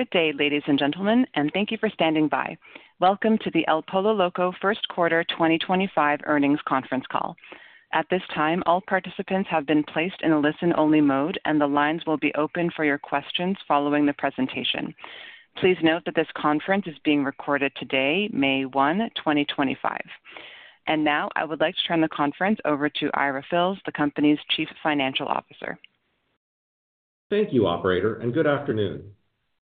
Good day, ladies and gentlemen, and thank you for standing by. Welcome to the El Pollo Loco Q1 2025 Earnings Conference Call. At this time, all participants have been placed in a listen-only mode, and the lines will be open for your questions following the presentation. Please note that this conference is being recorded today, May 1, 2025. I would like to turn the conference over to Ira Fils, the company's Chief Financial Officer. Thank you, Operator, and good afternoon.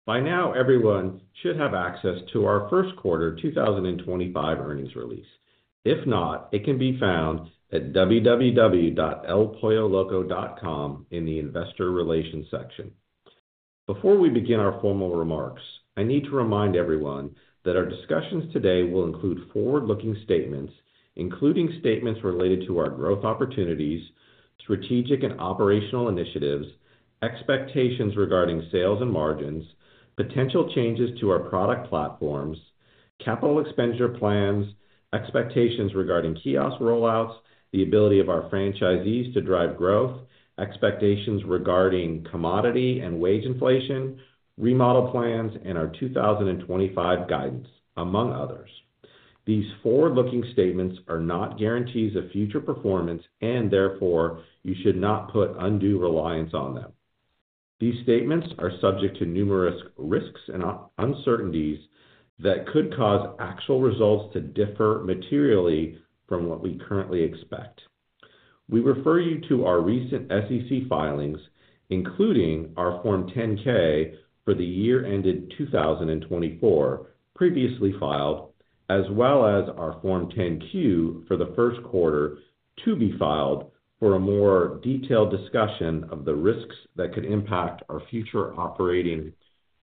By now, everyone should have access to our Q1 2025 earnings release. If not, it can be found at www.elpolloloco.com in the Investor Relations section. Before we begin our formal remarks, I need to remind everyone that our discussions today will include forward-looking statements, including statements related to our growth opportunities, strategic and operational initiatives, expectations regarding sales and margins, potential changes to our product platforms, capital expenditure plans, expectations regarding kiosk rollouts, the ability of our franchisees to drive growth, expectations regarding commodity and wage inflation, remodel plans, and our 2025 guidance, among others. These forward-looking statements are not guarantees of future performance, and therefore, you should not put undue reliance on them. These statements are subject to numerous risks and uncertainties that could cause actual results to differ materially from what we currently expect. We refer you to our recent SEC filings, including our Form 10-K for the year ended 2024, previously filed, as well as our Form 10-Q for the first quarter to be filed for a more detailed discussion of the risks that could impact our future operating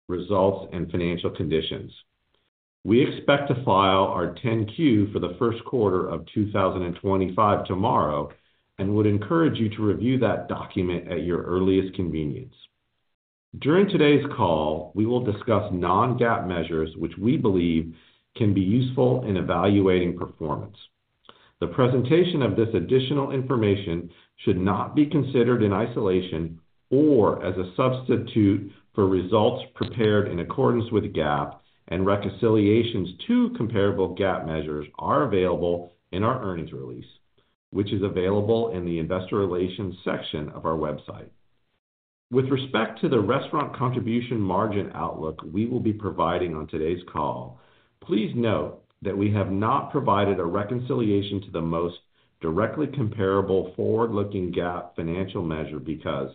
results and financial conditions. We expect to file our 10-Q for the first quarter of 2025 tomorrow and would encourage you to review that document at your earliest convenience. During today's call, we will discuss non-GAAP measures, which we believe can be useful in evaluating performance. The presentation of this additional information should not be considered in isolation or as a substitute for results prepared in accordance with GAAP, and reconciliations to comparable GAAP measures are available in our earnings release, which is available in the Investor Relations section of our website. With respect to the restaurant contribution margin outlook we will be providing on today's call, please note that we have not provided a reconciliation to the most directly comparable forward-looking GAAP financial measure because,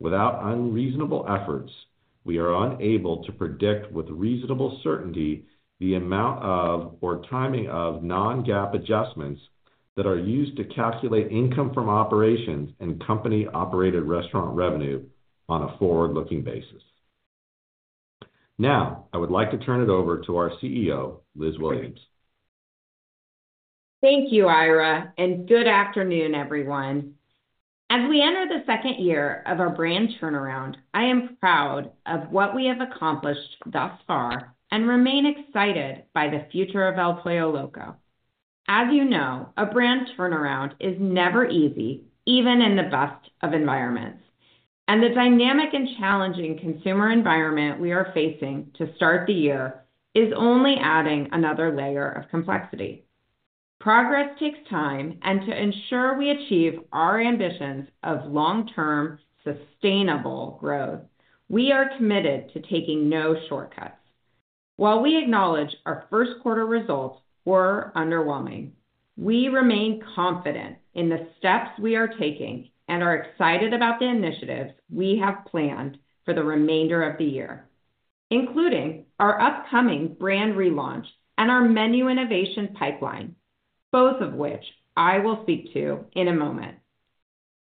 without unreasonable efforts, we are unable to predict with reasonable certainty the amount of or timing of non-GAAP adjustments that are used to calculate income from operations and company-operated restaurant revenue on a forward-looking basis. Now, I would like to turn it over to our CEO, Liz Williams. Thank you, Ira, and good afternoon, everyone. As we enter the second year of our brand turnaround, I am proud of what we have accomplished thus far and remain excited by the future of El Pollo Loco. As you know, a brand turnaround is never easy, even in the best of environments, and the dynamic and challenging consumer environment we are facing to start the year is only adding another layer of complexity. Progress takes time, and to ensure we achieve our ambitions of long-term sustainable growth, we are committed to taking no shortcuts. While we acknowledge our first quarter results were underwhelming, we remain confident in the steps we are taking and are excited about the initiatives we have planned for the remainder of the year, including our upcoming brand relaunch and our menu innovation pipeline, both of which I will speak to in a moment.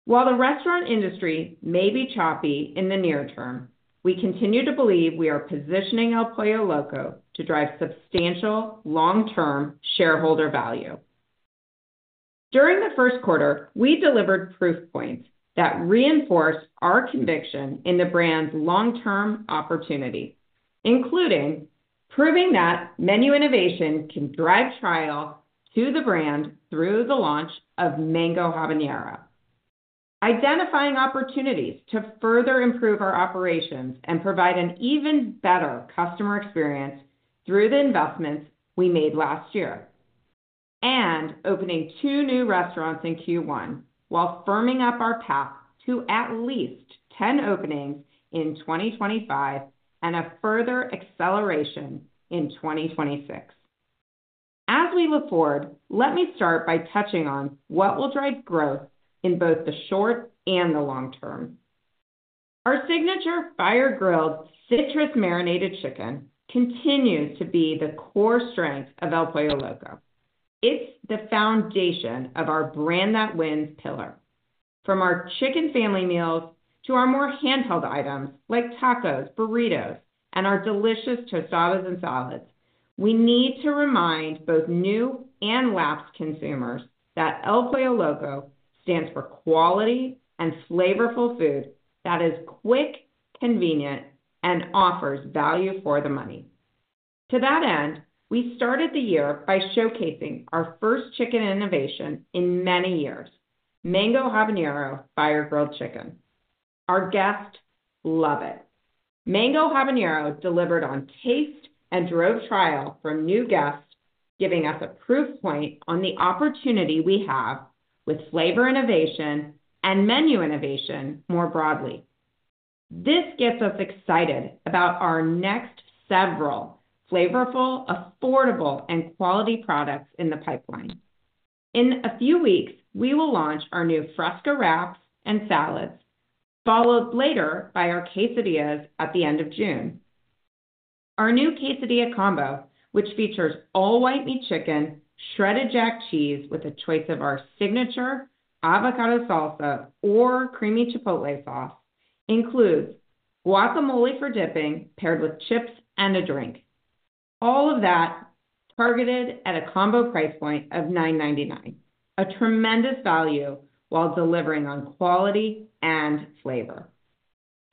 While the restaurant industry may be choppy in the near term, we continue to believe we are positioning El Pollo Loco to drive substantial long-term shareholder value. During the first quarter, we delivered proof points that reinforce our conviction in the brand's long-term opportunity, including proving that menu innovation can drive trial to the brand through the launch of Mango Habanero, identifying opportunities to further improve our operations and provide an even better customer experience through the investments we made last year, and opening two new restaurants in Q1 while firming up our path to at least 10 openings in 2025 and a further acceleration in 2026. As we look forward, let me start by touching on what will drive growth in both the short and the long term. Our signature fire-grilled citrus-marinated chicken continues to be the core strength of El Pollo Loco. It's the foundation of our brand that wins pillar. From our chicken family meals to our more handheld items like tacos, burritos, and our delicious tostadas and salads, we need to remind both new and lapsed consumers that El Pollo Loco stands for quality and flavorful food that is quick, convenient, and offers value for the money. To that end, we started the year by showcasing our first chicken innovation in many years, Mango Habanero fire-grilled chicken. Our guests love it. Mango Habanero delivered on taste and drove trial for new guests, giving us a proof point on the opportunity we have with flavor innovation and menu innovation more broadly. This gets us excited about our next several flavorful, affordable, and quality products in the pipeline. In a few weeks, we will launch our new Fresca wraps and salads, followed later by our Quesadillas at the end of June. Our new Quesadilla combo, which features all-white meat chicken, shredded Jack cheese with a choice of our signature avocado salsa or creamy chipotle sauce, includes guacamole for dipping paired with chips and a drink. All of that targeted at a combo price point of $9.99, a tremendous value while delivering on quality and flavor.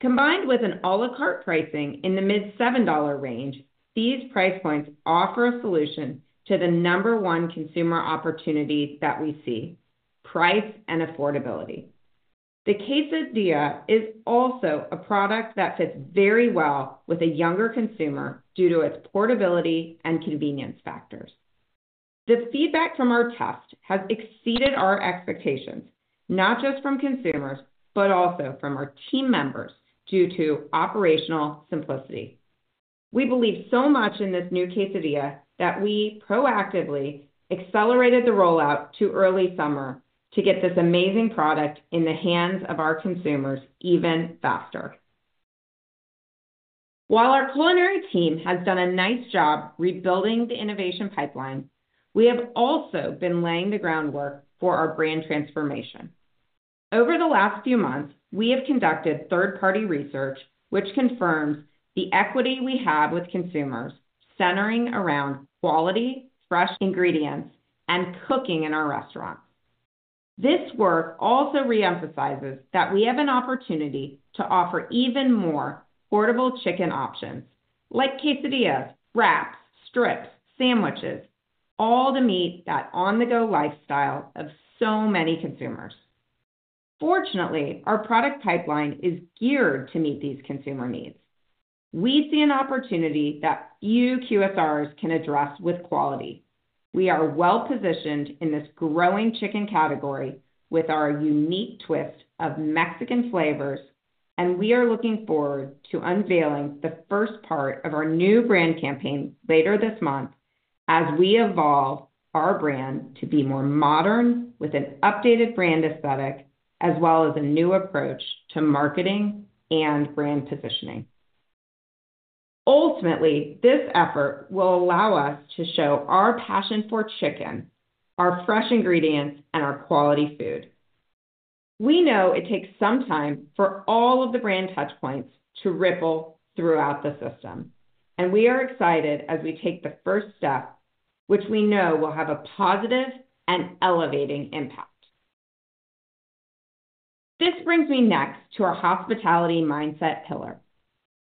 Combined with an à la carte pricing in the mid-$7 range, these price points offer a solution to the number one consumer opportunity that we see: price and affordability. The Quesadilla is also a product that fits very well with a younger consumer due to its portability and convenience factors. The feedback from our test has exceeded our expectations, not just from consumers, but also from our team members due to operational simplicity. We believe so much in this new Quesadilla that we proactively accelerated the rollout to early summer to get this amazing product in the hands of our consumers even faster. While our culinary team has done a nice job rebuilding the innovation pipeline, we have also been laying the groundwork for our brand transformation. Over the last few months, we have conducted third-party research, which confirms the equity we have with consumers centering around quality, fresh ingredients, and cooking in our restaurants. This work also reemphasizes that we have an opportunity to offer even more portable chicken options like Quesadillas, wraps, strips, sandwiches, all to meet that on-the-go lifestyle of so many consumers. Fortunately, our product pipeline is geared to meet these consumer needs. We see an opportunity that few QSRs can address with quality. We are well-positioned in this growing chicken category with our unique twist of Mexican flavors, and we are looking forward to unveiling the first part of our new brand campaign later this month as we evolve our brand to be more modern with an updated brand aesthetic, as well as a new approach to marketing and brand positioning. Ultimately, this effort will allow us to show our passion for chicken, our fresh ingredients, and our quality food. We know it takes some time for all of the brand touchpoints to ripple throughout the system, and we are excited as we take the first step, which we know will have a positive and elevating impact. This brings me next to our hospitality mindset pillar.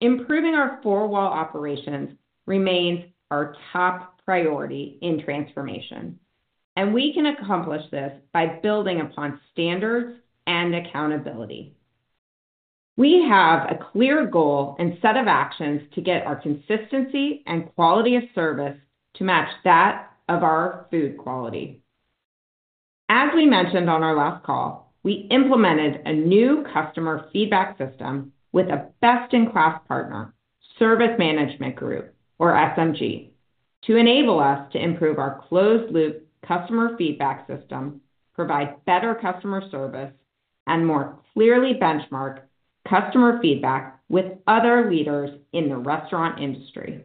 Improving our four-wall operations remains our top priority in transformation, and we can accomplish this by building upon standards and accountability. We have a clear goal and set of actions to get our consistency and quality of service to match that of our food quality. As we mentioned on our last call, we implemented a new customer feedback system with a best-in-class partner, Service Management Group, or SMG, to enable us to improve our closed-loop customer feedback system, provide better customer service, and more clearly benchmark customer feedback with other leaders in the restaurant industry.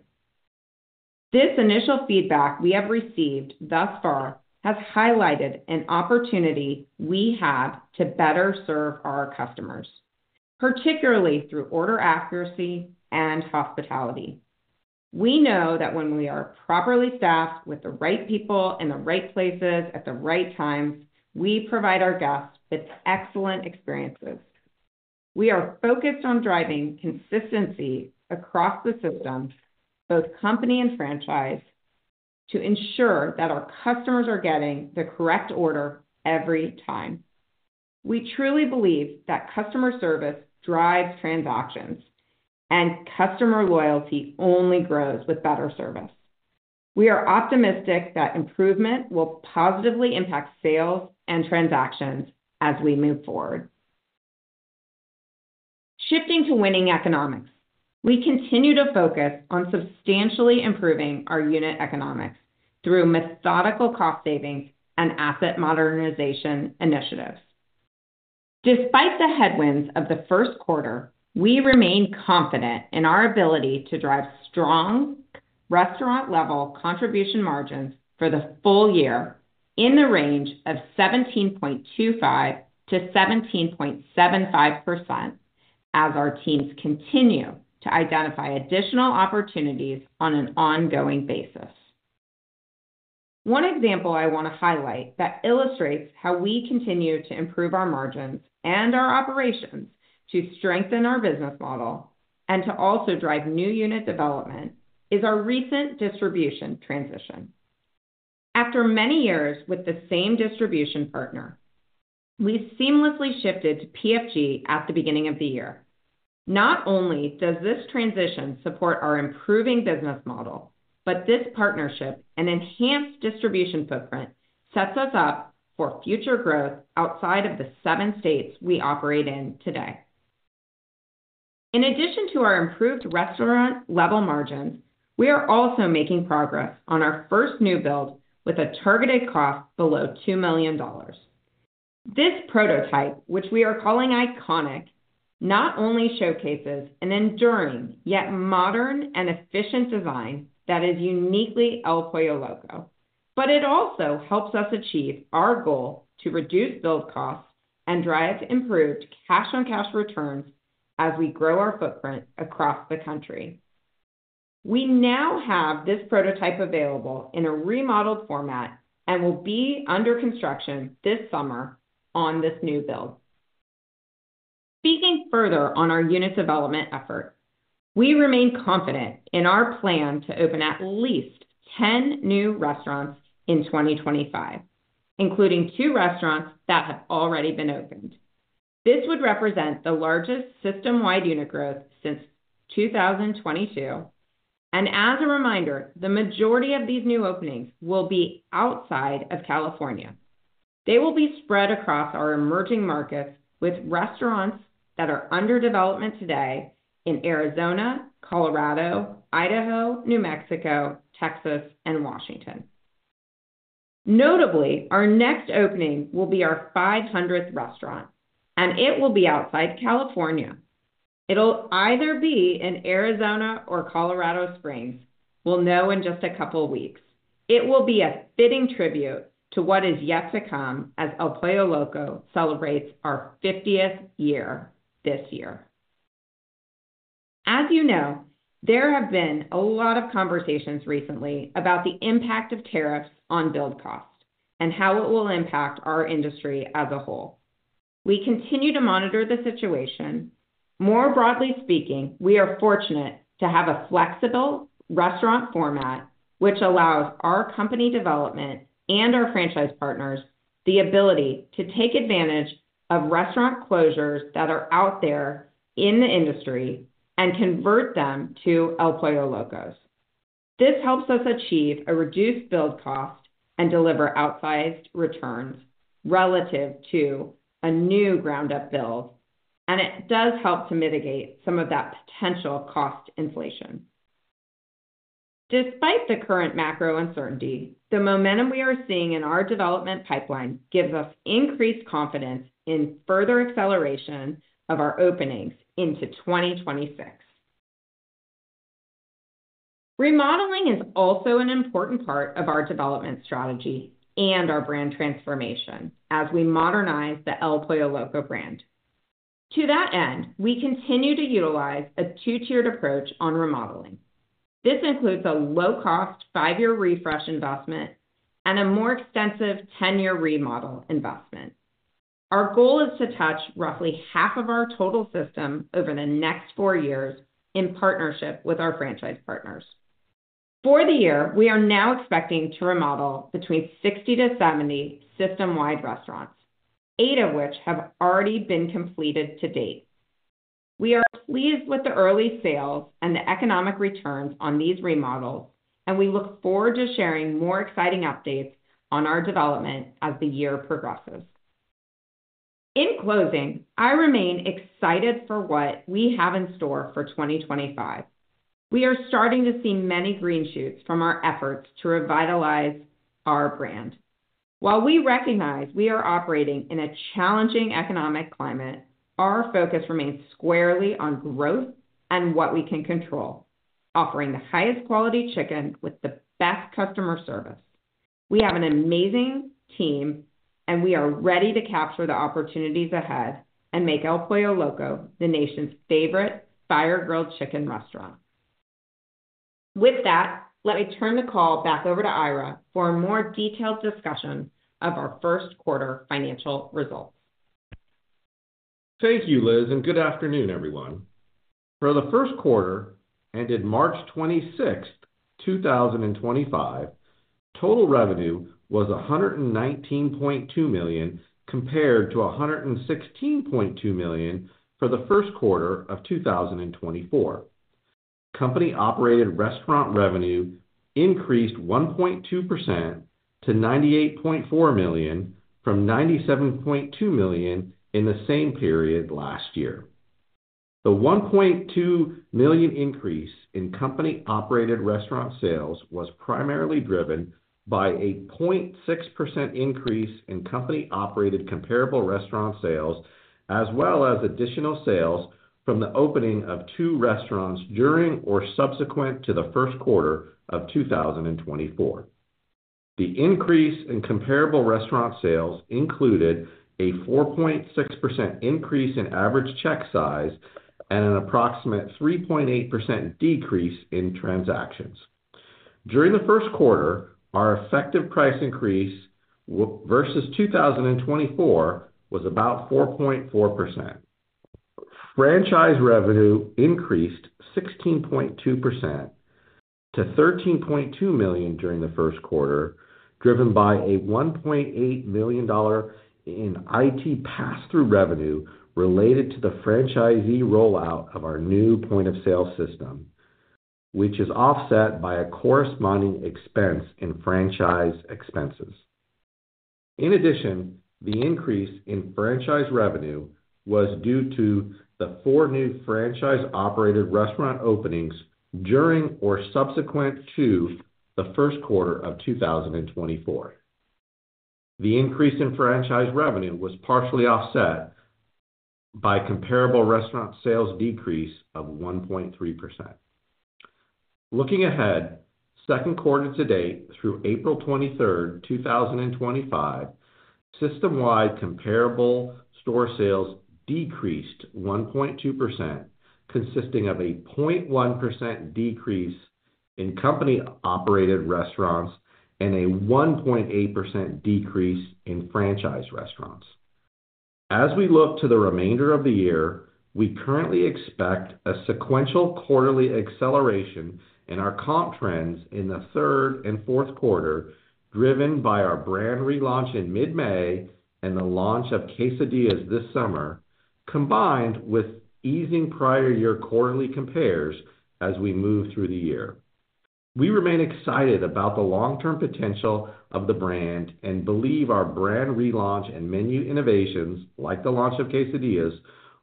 This initial feedback we have received thus far has highlighted an opportunity we have to better serve our customers, particularly through order accuracy and hospitality. We know that when we are properly staffed with the right people in the right places at the right times, we provide our guests with excellent experiences. We are focused on driving consistency across the system, both company and franchise, to ensure that our customers are getting the correct order every time. We truly believe that customer service drives transactions, and customer loyalty only grows with better service. We are optimistic that improvement will positively impact sales and transactions as we move forward. Shifting to winning economics, we continue to focus on substantially improving our unit economics through methodical cost savings and asset modernization initiatives. Despite the headwinds of the first quarter, we remain confident in our ability to drive strong restaurant-level contribution margins for the full year in the range of 17.25%-17.75% as our teams continue to identify additional opportunities on an ongoing basis. One example I want to highlight that illustrates how we continue to improve our margins and our operations to strengthen our business model and to also drive new unit development is our recent distribution transition. After many years with the same distribution partner, we seamlessly shifted to PFG at the beginning of the year. Not only does this transition support our improving business model, but this partnership and enhanced distribution footprint sets us up for future growth outside of the seven states we operate in today. In addition to our improved restaurant-level margins, we are also making progress on our first new build with a targeted cost below $2 million. This prototype, which we are calling Iconic, not only showcases an enduring, yet modern and efficient design that is uniquely El Pollo Loco, but it also helps us achieve our goal to reduce build costs and drive improved cash-on-cash returns as we grow our footprint across the country. We now have this prototype available in a remodeled format and will be under construction this summer on this new build. Speaking further on our unit development effort, we remain confident in our plan to open at least 10 new restaurants in 2025, including two restaurants that have already been opened. This would represent the largest system-wide unit growth since 2022, and as a reminder, the majority of these new openings will be outside of California. They will be spread across our emerging markets with restaurants that are under development today in Arizona, Colorado, Idaho, New Mexico, Texas, and Washington. Notably, our next opening will be our 500th restaurant, and it will be outside California. It'll either be in Arizona or Colorado Springs. We'll know in just a couple of weeks. It will be a fitting tribute to what is yet to come as El Pollo Loco celebrates our 50th year this year. As you know, there have been a lot of conversations recently about the impact of tariffs on build cost and how it will impact our industry as a whole. We continue to monitor the situation. More broadly speaking, we are fortunate to have a flexible restaurant format, which allows our company development and our franchise partners the ability to take advantage of restaurant closures that are out there in the industry and convert them to El Pollo Locos. This helps us achieve a reduced build cost and deliver outsized returns relative to a new ground-up build, and it does help to mitigate some of that potential cost inflation. Despite the current macro uncertainty, the momentum we are seeing in our development pipeline gives us increased confidence in further acceleration of our openings into 2026. Remodeling is also an important part of our development strategy and our brand transformation as we modernize the El Pollo Loco brand. To that end, we continue to utilize a two-tiered approach on remodeling. This includes a low-cost five-year refresh investment and a more extensive 10-year remodel investment. Our goal is to touch roughly half of our total system over the next four years in partnership with our franchise partners. For the year, we are now expecting to remodel between 60-70 system-wide restaurants, eight of which have already been completed to date. We are pleased with the early sales and the economic returns on these remodels, and we look forward to sharing more exciting updates on our development as the year progresses. In closing, I remain excited for what we have in store for 2025. We are starting to see many green shoots from our efforts to revitalize our brand. While we recognize we are operating in a challenging economic climate, our focus remains squarely on growth and what we can control, offering the highest quality chicken with the best customer service. We have an amazing team, and we are ready to capture the opportunities ahead and make El Pollo Loco the nation's favorite fire-grilled chicken restaurant. With that, let me turn the call back over to Ira for a more detailed discussion of our first quarter financial results. Thank you, Liz, and good afternoon, everyone. For the first quarter, ended March 26, 2025, total revenue was $119.2 million compared to $116.2 million for the first quarter of 2024. Company-operated restaurant revenue increased 1.2% to $98.4 million from $97.2 million in the same period last year. The $1.2 million increase in company-operated restaurant sales was primarily driven by a 0.6% increase in company-operated comparable restaurant sales, as well as additional sales from the opening of two restaurants during or subsequent to the first quarter of 2024. The increase in comparable restaurant sales included a 4.6% increase in average check size and an approximate 3.8% decrease in transactions. During the first quarter, our effective price increase versus 2024 was about 4.4%. Franchise revenue increased 16.2% to $13.2 million during the first quarter, driven by a $1.8 million in IT pass-through revenue related to the franchisee rollout of our new point-of-sale system, which is offset by a corresponding expense in franchise expenses. In addition, the increase in franchise revenue was due to the four new franchise-operated restaurant openings during or subsequent to the first quarter of 2024. The increase in franchise revenue was partially offset by comparable restaurant sales decrease of 1.3%. Looking ahead, second quarter to date through April 23, 2025, system-wide comparable store sales decreased 1.2%, consisting of a 0.1% decrease in company-operated restaurants and a 1.8% decrease in franchise restaurants. As we look to the remainder of the year, we currently expect a sequential quarterly acceleration in our comp trends in the third and fourth quarter, driven by our brand relaunch in mid-May and the launch of Quesadillas this summer, combined with easing prior year quarterly compares as we move through the year. We remain excited about the long-term potential of the brand and believe our brand relaunch and menu innovations, like the launch of Quesadillas,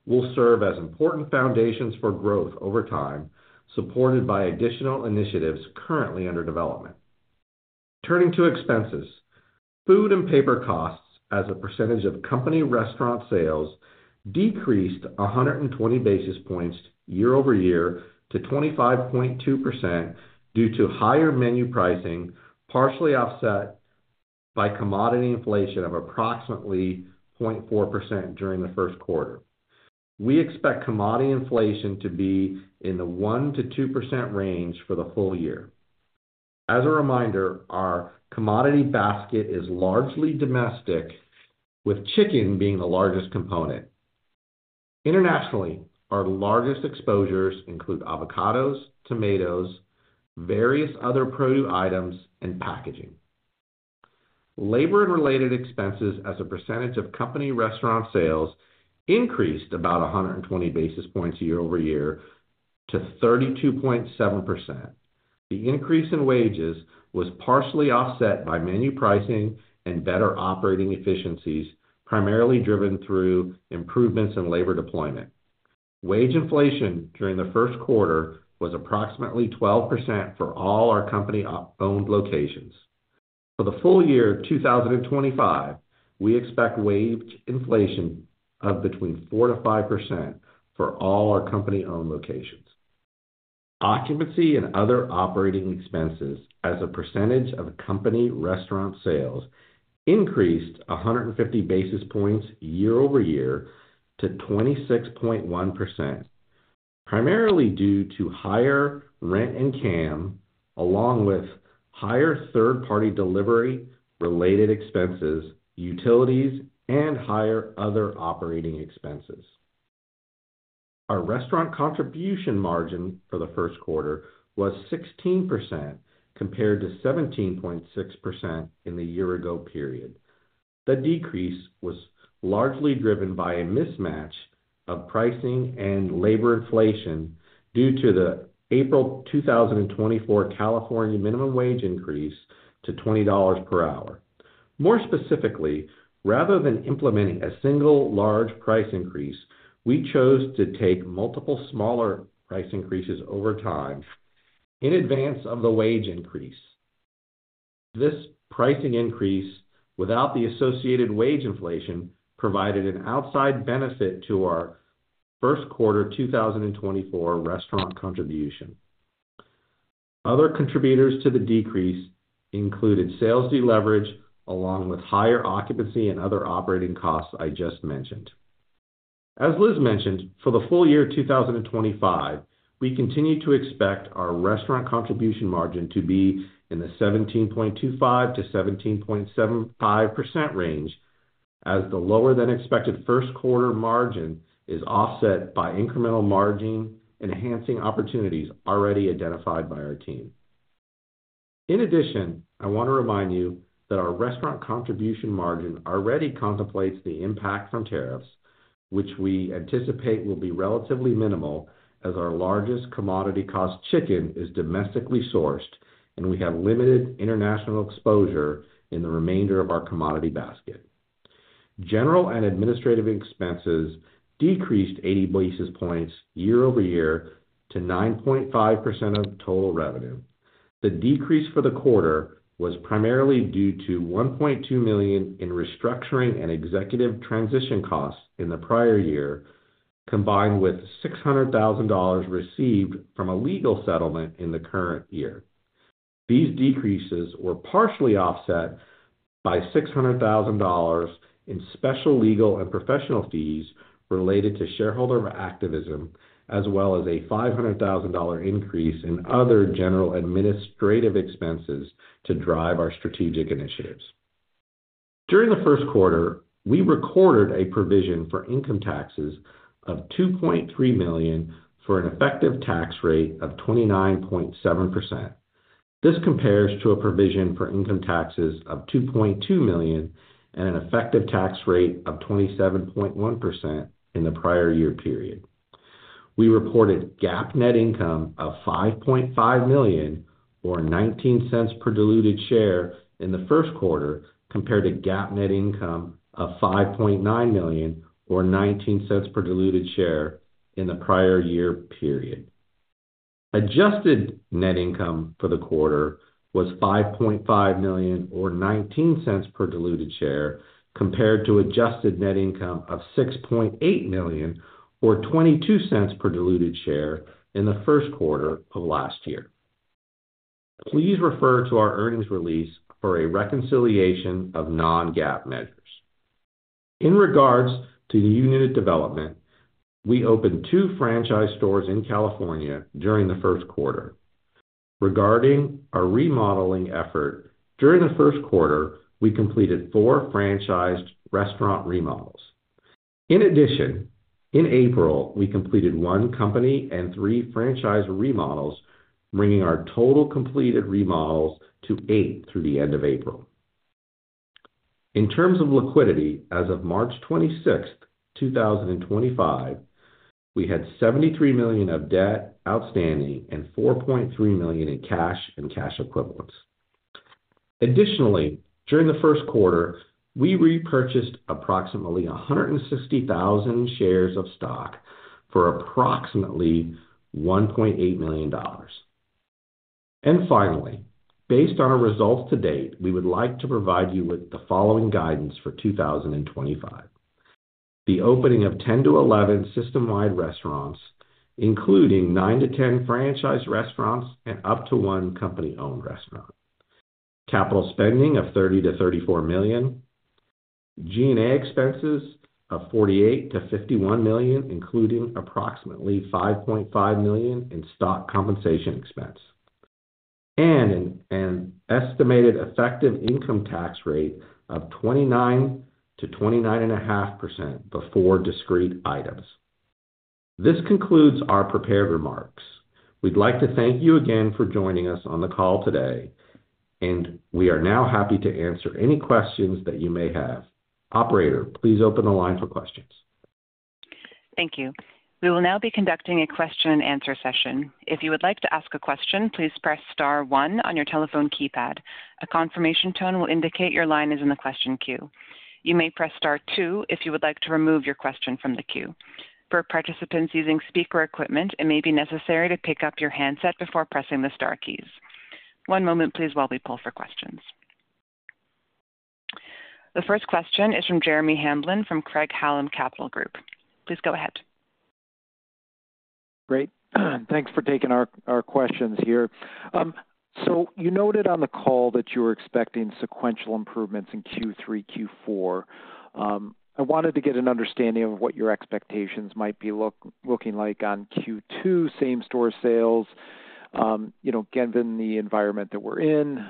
will serve as important foundations for growth over time, supported by additional initiatives currently under development. Turning to expenses, food and paper costs as a percentage of company restaurant sales decreased 120 basis points year-over-year to 25.2% due to higher menu pricing, partially offset by commodity inflation of approximately 0.4% during the first quarter. We expect commodity inflation to be in the 1%-2% range for the full year. As a reminder, our commodity basket is largely domestic, with chicken being the largest component. Internationally, our largest exposures include avocados, tomatoes, various other produce items, and packaging. Labor-related expenses as a percentage of company restaurant sales increased about 120 basis points year-over-year to 32.7%. The increase in wages was partially offset by menu pricing and better operating efficiencies, primarily driven through improvements in labor deployment. Wage inflation during the first quarter was approximately 12% for all our company-owned locations. For the full year of 2025, we expect wage inflation of between 4%-5% for all our company-owned locations. Occupancy and other operating expenses as a percentage of company restaurant sales increased 150 basis points year-over-year to 26.1%, primarily due to higher rent and CAM, along with higher third-party delivery-related expenses, utilities, and higher other operating expenses. Our restaurant contribution margin for the first quarter was 16% compared to 17.6% in the year-ago period. The decrease was largely driven by a mismatch of pricing and labor inflation due to the April 2024 California minimum wage increase to $20 per hour. More specifically, rather than implementing a single large price increase, we chose to take multiple smaller price increases over time in advance of the wage increase. This pricing increase, without the associated wage inflation, provided an outside benefit to our first quarter 2024 restaurant contribution. Other contributors to the decrease included sales deleverage along with higher occupancy and other operating costs I just mentioned. As Liz mentioned, for the full year 2025, we continue to expect our restaurant contribution margin to be in the 17.25%-17.75% range, as the lower-than-expected first quarter margin is offset by incremental margin enhancing opportunities already identified by our team. In addition, I want to remind you that our restaurant contribution margin already contemplates the impact from tariffs, which we anticipate will be relatively minimal as our largest commodity cost chicken is domestically sourced and we have limited international exposure in the remainder of our commodity basket. General and administrative expenses decreased 80 basis points year-over-year to 9.5% of total revenue. The decrease for the quarter was primarily due to $1.2 million in restructuring and executive transition costs in the prior year, combined with $600,000 received from a legal settlement in the current year. These decreases were partially offset by $600,000 in special legal and professional fees related to shareholder activism, as well as a $500,000 increase in other general administrative expenses to drive our strategic initiatives. During the first quarter, we recorded a provision for income taxes of $2.3 million for an effective tax rate of 29.7%. This compares to a provision for income taxes of $2.2 million and an effective tax rate of 27.1% in the prior year period. We reported GAAP net income of $5.5 million, or $0.19 per diluted share, in the first quarter compared to GAAP net income of $5.9 million, or $0.19 per diluted share, in the prior year period. Adjusted net income for the quarter was $5.5 million, or $0.19 per diluted share, compared to adjusted net income of $6.8 million, or $0.22 per diluted share, in the first quarter of last year. Please refer to our earnings release for a reconciliation of non-GAAP measures. In regards to the unit development, we opened two franchise stores in California during the first quarter. Regarding our remodeling effort, during the first quarter, we completed four franchised restaurant remodels. In addition, in April, we completed one company and three franchise remodels, bringing our total completed remodels to eight through the end of April. In terms of liquidity, as of March 26, 2025, we had $73 million of debt outstanding and $4.3 million in cash and cash equivalents. Additionally, during the first quarter, we repurchased approximately 160,000 shares of stock for approximately $1.8 million. Finally, based on our results to date, we would like to provide you with the following guidance for 2025: the opening of 10-11 system-wide restaurants, including 9-10 franchise restaurants and up to one company-owned restaurant, capital spending of $30 million-$34 million, G&A expenses of $48 million-$51 million, including approximately $5.5 million in stock compensation expense, and an estimated effective income tax rate of 29%-29.5% before discrete items. This concludes our prepared remarks. We'd like to thank you again for joining us on the call today, and we are now happy to answer any questions that you may have. Operator, please open the line for questions. Thank you. We will now be conducting a question-and-answer session. If you would like to ask a question, please press star one on your telephone keypad. A confirmation tone will indicate your line is in the question queue. You may press star two if you would like to remove your question from the queue. For participants using speaker equipment, it may be necessary to pick up your handset before pressing the Star keys. One moment, please, while we pull for questions. The first question is from Jeremy Hamblin from Craig Hallum Capital Group. Please go ahead. Great. Thanks for taking our questions here. You noted on the call that you were expecting sequential improvements in Q3, Q4. I wanted to get an understanding of what your expectations might be looking like on Q2, same store sales, given the environment that we're in.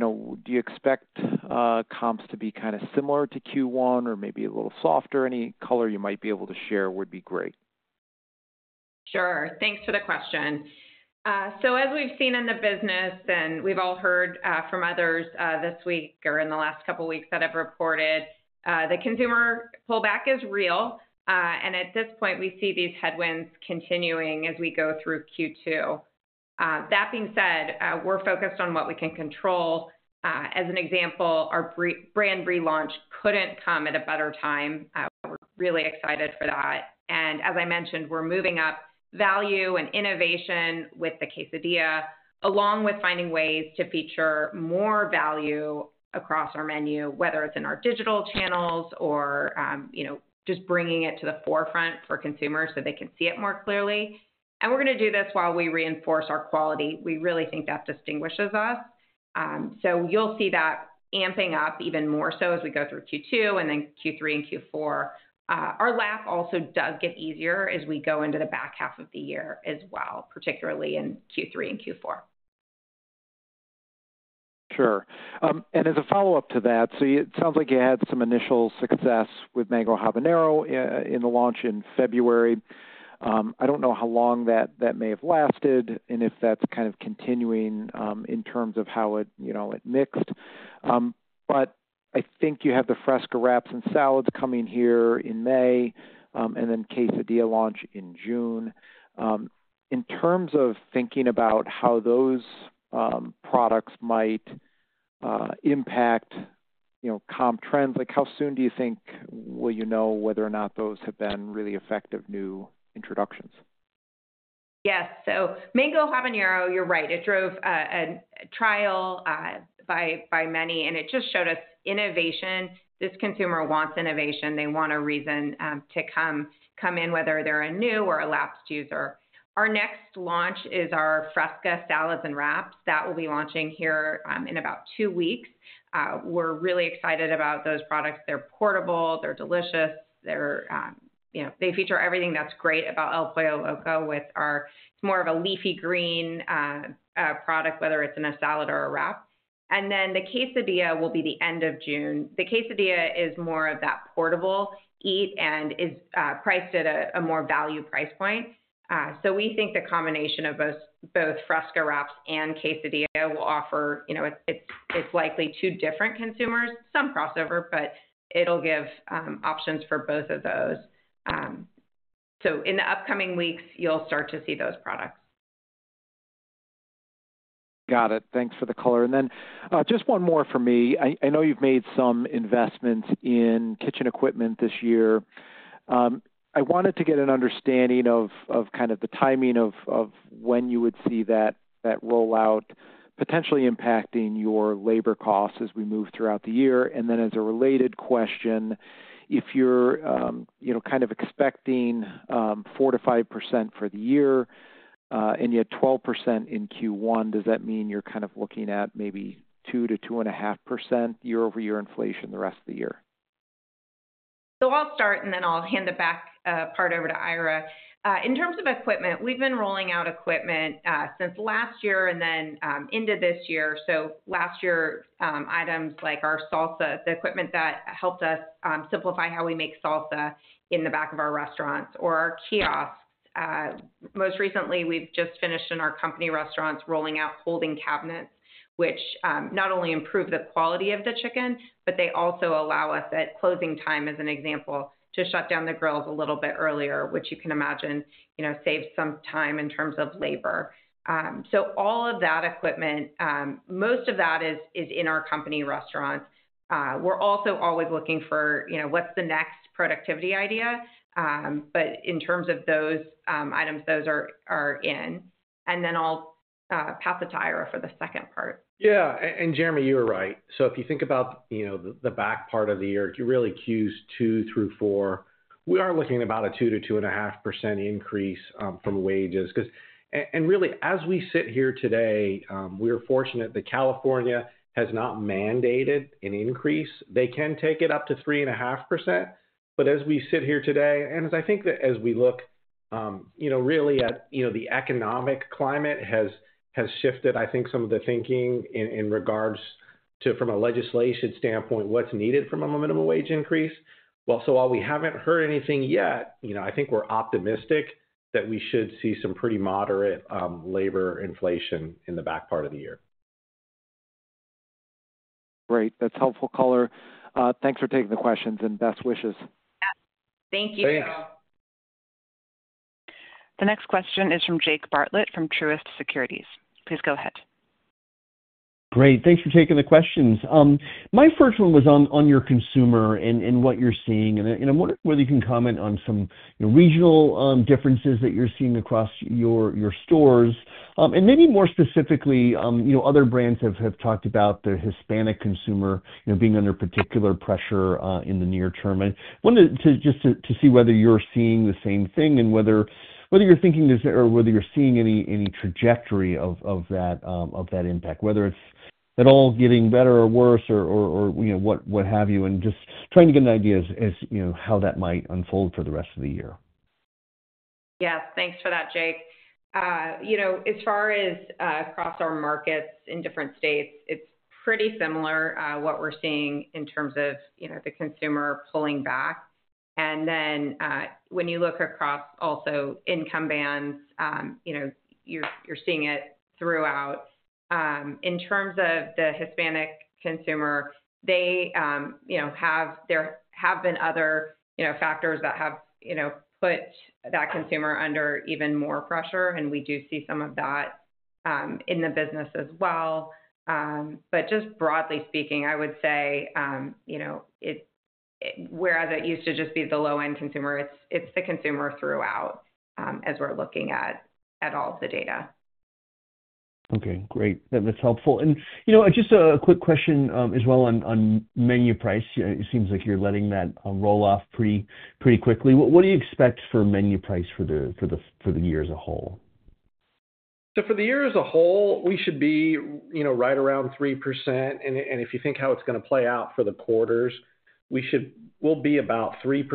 Do you expect comps to be kind of similar to Q1 or maybe a little softer? Any color you might be able to share would be great. Sure. Thanks for the question. As we've seen in the business, and we've all heard from others this week or in the last couple of weeks that have reported, the consumer pullback is real. At this point, we see these headwinds continuing as we go through Q2. That being said, we're focused on what we can control. As an example, our brand relaunch couldn't come at a better time. We're really excited for that. As I mentioned, we're moving up value and innovation with the Quesadilla, along with finding ways to feature more value across our menu, whether it's in our digital channels or just bringing it to the forefront for consumers so they can see it more clearly. We're going to do this while we reinforce our quality. We really think that distinguishes us. You'll see that amping up even more so as we go through Q2 and then Q3 and Q4. Our lap also does get easier as we go into the back half of the year as well, particularly in Q3 and Q4. Sure. As a follow-up to that, it sounds like you had some initial success with Mango Habanero in the launch in February. I don't know how long that may have lasted and if that's kind of continuing in terms of how it mixed. I think you have the Fresca Wraps and Salads coming here in May and then Quesadilla launch in June. In terms of thinking about how those products might impact comp trends, how soon do you think will you know whether or not those have been really effective new introductions? Yes. Mango Habanero, you're right. It drove a trial by many, and it just showed us innovation. This consumer wants innovation. They want a reason to come in, whether they're a new or a lapsed user. Our next launch is our Fresca Salads and Wraps. That will be launching here in about two weeks. We're really excited about those products. They're portable. They're delicious. They feature everything that's great about El Pollo Loco with our—it's more of a leafy green product, whether it's in a salad or a wrap. The Quesadilla will be the end of June. The Quesadilla is more of that portable eat and is priced at a more value price point. We think the combination of both Fresca Wraps and Quesadilla will offer—it's likely two different consumers, some crossover, but it'll give options for both of those. In the upcoming weeks, you'll start to see those products. Got it. Thanks for the color. Just one more for me. I know you've made some investments in kitchen equipment this year. I wanted to get an understanding of kind of the timing of when you would see that rollout potentially impacting your labor costs as we move throughout the year. As a related question, if you're kind of expecting 4%-5% for the year and you had 12% in Q1, does that mean you're kind of looking at maybe 2%-2.5% year-over-year inflation the rest of the year? I'll start, and then I'll hand the back part over to Ira. In terms of equipment, we've been rolling out equipment since last year and then into this year. Last year, items like our salsa, the equipment that helped us simplify how we make salsa in the back of our restaurants or our kiosks. Most recently, we've just finished in our company restaurants rolling out holding cabinets, which not only improve the quality of the chicken, but they also allow us at closing time, as an example, to shut down the grills a little bit earlier, which you can imagine saves some time in terms of labor. All of that equipment, most of that is in our company restaurants. We're also always looking for what's the next productivity idea. In terms of those items, those are in. I'll pass it to Ira for the second part. Yeah. Jeremy, you were right. If you think about the back part of the year, really Q2 through Q4, we are looking at about a 2%-2.5% increase from wages. Really, as we sit here today, we are fortunate that California has not mandated an increase. They can take it up to 3.5%. As we sit here today, and as I think that as we look really at the economic climate has shifted, I think some of the thinking in regards to, from a legislation standpoint, what's needed from a minimum wage increase. While we haven't heard anything yet, I think we're optimistic that we should see some pretty moderate labor inflation in the back part of the year. Great. That's helpful color. Thanks for taking the questions and best wishes. Thank you. Thanks. The next question is from Jake Bartlett from Truist Securities. Please go ahead. Great. Thanks for taking the questions. My first one was on your consumer and what you're seeing. I'm wondering whether you can comment on some regional differences that you're seeing across your stores. Maybe more specifically, other brands have talked about the Hispanic consumer being under particular pressure in the near term. I wanted just to see whether you're seeing the same thing and whether you're thinking or whether you're seeing any trajectory of that impact, whether it's at all getting better or worse or what have you, just trying to get an idea as to how that might unfold for the rest of the year. Yeah. Thanks for that, Jake. As far as across our markets in different states, it's pretty similar what we're seeing in terms of the consumer pulling back. And then when you look across also income bands, you're seeing it throughout. In terms of the Hispanic consumer, there have been other factors that have put that consumer under even more pressure, and we do see some of that in the business as well. Just broadly speaking, I would say whereas it used to just be the low-end consumer, it's the consumer throughout as we're looking at all of the data. Okay. Great. That's helpful. Just a quick question as well on menu price. It seems like you're letting that roll off pretty quickly. What do you expect for menu price for the year as a whole? For the year as a whole, we should be right around 3%. If you think how it is going to play out for the quarters, we will be about 3%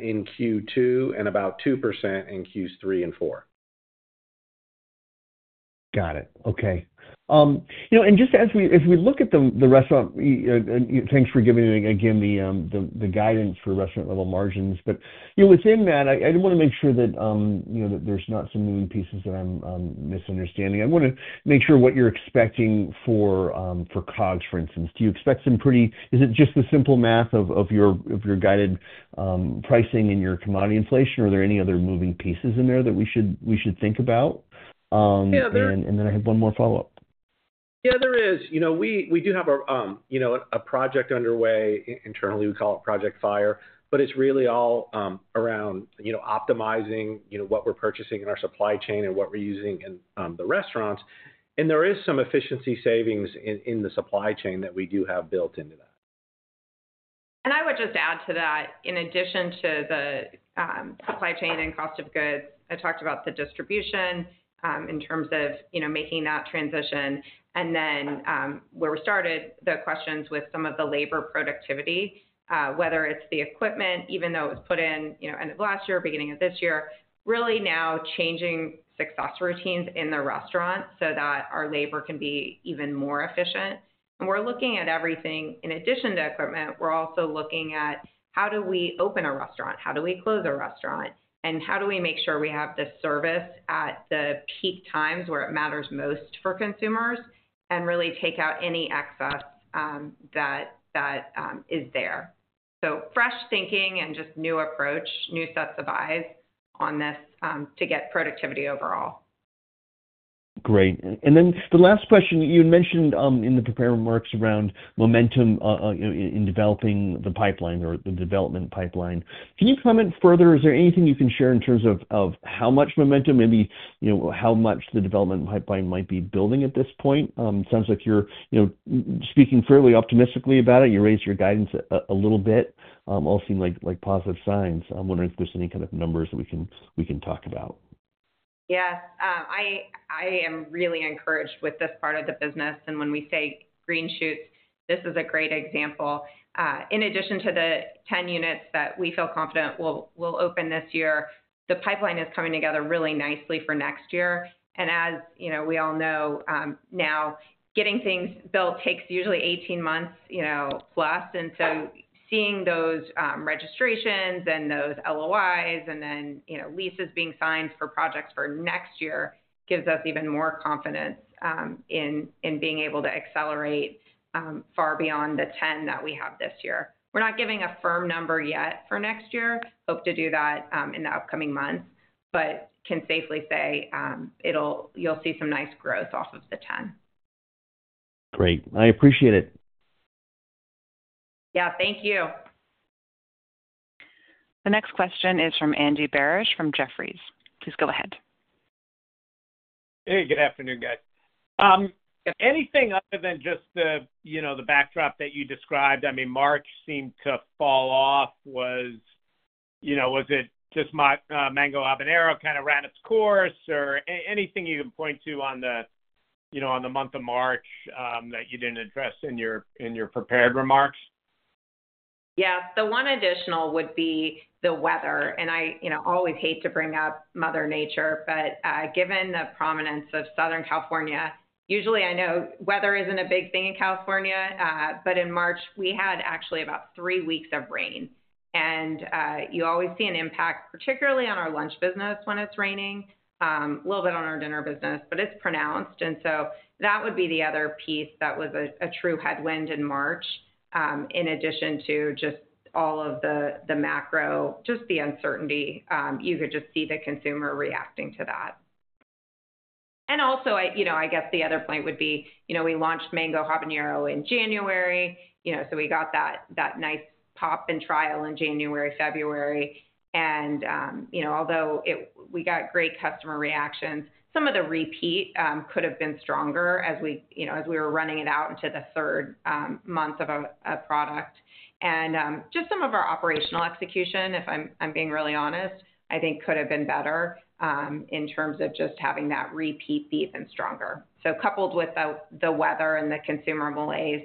in Q2 and about 2% in Q3 and Q4. Got it. Okay. Just as we look at the restaurant, thanks for giving me, again, the guidance for restaurant-level margins. Within that, I want to make sure that there are not some moving pieces that I am misunderstanding. I want to make sure what you are expecting for Cogs, for instance. Do you expect some pretty—is it just the simple math of your guided pricing and your commodity inflation? Are there any other moving pieces in there that we should think about? I have one more follow-up. Yeah, there is. We do have a project underway internally. We call it Project FIRE, but it is really all around optimizing what we are purchasing in our supply chain and what we are using in the restaurants. There is some efficiency savings in the supply chain that we do have built into that. I would just add to that, in addition to the supply chain and cost of goods, I talked about the distribution in terms of making that transition. Where we started, the questions with some of the labor productivity, whether it's the equipment, even though it was put in end of last year, beginning of this year, really now changing success routines in the restaurant so that our labor can be even more efficient. We are looking at everything in addition to equipment. We are also looking at how do we open a restaurant, how do we close a restaurant, and how do we make sure we have the service at the peak times where it matters most for consumers and really take out any excess that is there. Fresh thinking and just new approach, new sets of eyes on this to get productivity overall. Great. The last question, you mentioned in the prepared remarks around momentum in developing the pipeline or the development pipeline. Can you comment further? Is there anything you can share in terms of how much momentum, maybe how much the development pipeline might be building at this point? It sounds like you're speaking fairly optimistically about it. You raised your guidance a little bit. All seem like positive signs. I'm wondering if there's any kind of numbers that we can talk about. Yes. I am really encouraged with this part of the business. When we say green shoots, this is a great example. In addition to the 10 units that we feel confident we'll open this year, the pipeline is coming together really nicely for next year. As we all know now, getting things built takes usually 18 months plus. Seeing those registrations and those LOIs and then leases being signed for projects for next year gives us even more confidence in being able to accelerate far beyond the 10 that we have this year. We're not giving a firm number yet for next year. Hope to do that in the upcoming months, but can safely say you'll see some nice growth off of the 10. Great. I appreciate it. Yeah. Thank you. The next question is from Andy Barish from Jefferies. Please go ahead. Hey, good afternoon, guys. Anything other than just the backdrop that you described? I mean, March seemed to fall off. Was it just Mango Habanero kind of ran its course or anything you can point to on the month of March that you didn't address in your prepared remarks? Yeah. The one additional would be the weather. I always hate to bring up Mother Nature, but given the prominence of Southern California, usually I know weather is not a big thing in California. In March, we had actually about three weeks of rain. You always see an impact, particularly on our lunch business when it is raining, a little bit on our dinner business, but it is pronounced. That would be the other piece that was a true headwind in March, in addition to just all of the macro, just the uncertainty. You could just see the consumer reacting to that. I guess the other point would be we launched Mango Habanero in January. We got that nice pop and trial in January, February. Although we got great customer reactions, some of the repeat could have been stronger as we were running it out into the third month of a product. Just some of our operational execution, if I'm being really honest, I think could have been better in terms of just having that repeat be even stronger. Coupled with the weather and the consumer malaise,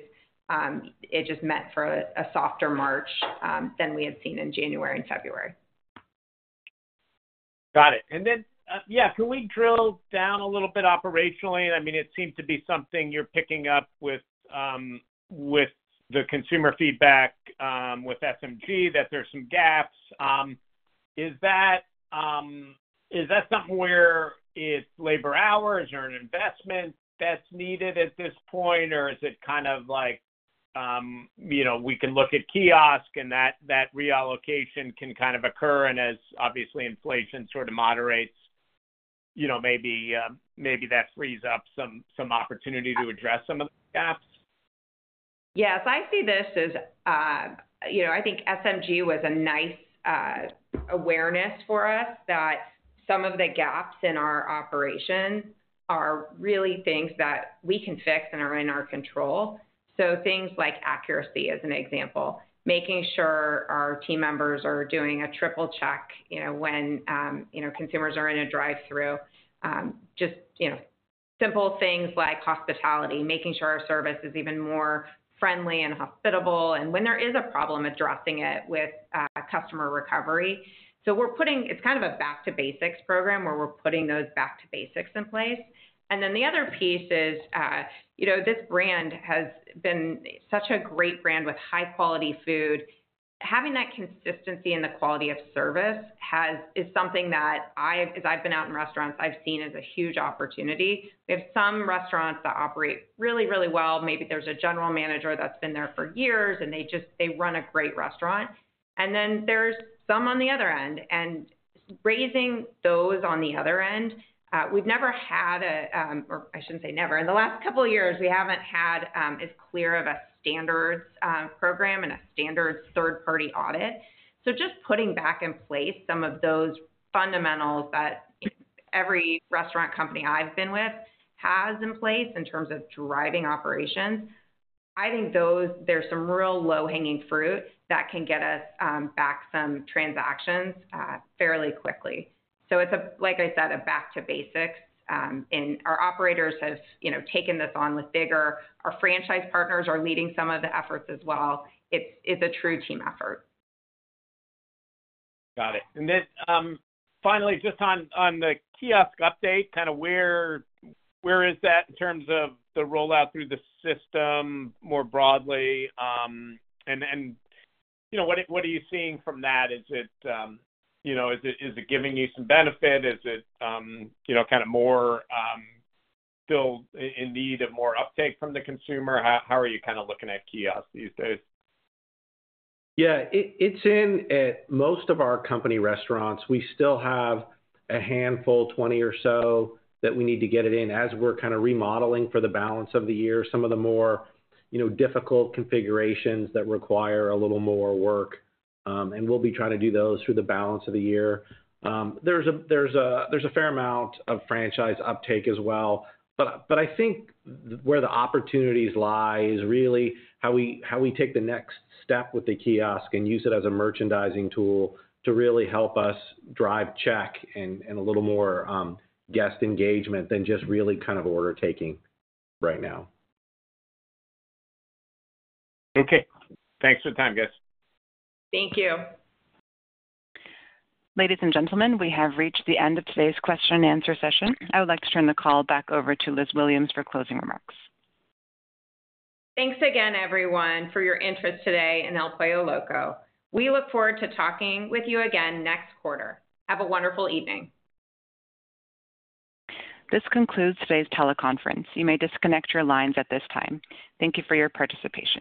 it just meant for a softer March than we had seen in January and February. Got it. Yeah, can we drill down a little bit operationally? I mean, it seemed to be something you're picking up with the consumer feedback with SMG that there's some gaps. Is that something where it's labor hours or an investment that's needed at this point, or is it kind of like we can look at kiosk and that reallocation can kind of occur? As obviously inflation sort of moderates, maybe that frees up some opportunity to address some of the gaps? Yes. I see this as I think SMG was a nice awareness for us that some of the gaps in our operations are really things that we can fix and are in our control. Things like accuracy as an example, making sure our team members are doing a triple check when consumers are in a drive-through. Just simple things like hospitality, making sure our service is even more friendly and hospitable. When there is a problem, addressing it with customer recovery. It is kind of a back-to-basics program where we're putting those back-to-basics in place. The other piece is this brand has been such a great brand with high-quality food. Having that consistency in the quality of service is something that, as I've been out in restaurants, I've seen as a huge opportunity. We have some restaurants that operate really, really well. Maybe there's a general manager that's been there for years, and they run a great restaurant. Then there's some on the other end. Raising those on the other end, we've never had a—or I shouldn't say never. In the last couple of years, we haven't had as clear of a standards program and a standards third-party audit. Just putting back in place some of those fundamentals that every restaurant company I've been with has in place in terms of driving operations, I think there's some real low-hanging fruit that can get us back some transactions fairly quickly. Like I said, it's a back-to-basics. Our operators have taken this on with bigger. Our franchise partners are leading some of the efforts as well. It's a true team effort. Got it. Finally, just on the kiosk update, kind of where is that in terms of the rollout through the system more broadly? What are you seeing from that? Is it giving you some benefit? Is it kind of more still in need of more uptake from the consumer? How are you kind of looking at kiosk these days? Yeah. It's in at most of our company restaurants. We still have a handful, 20 or so, that we need to get it in as we're kind of remodeling for the balance of the year, some of the more difficult configurations that require a little more work. We will be trying to do those through the balance of the year. There's a fair amount of franchise uptake as well. I think where the opportunities lie is really how we take the next step with the kiosk and use it as a merchandising tool to really help us drive check and a little more guest engagement than just really kind of order taking right now. Okay. Thanks for the time, guys. Thank you. Ladies and gentlemen, we have reached the end of today's question-and-answer session. I would like to turn the call back over to Liz Williams for closing remarks. Thanks again, everyone, for your interest today in El Pollo Loco. We look forward to talking with you again next quarter. Have a wonderful evening. This concludes today's teleconference. You may disconnect your lines at this time. Thank you for your participation.